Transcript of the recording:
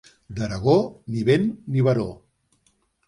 D'Aragó, ni vent ni baró.